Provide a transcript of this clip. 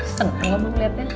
senang banget mau ngeliatnya